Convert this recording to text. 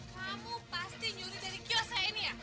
kamu pasti nyuri dari kiosnya ini ya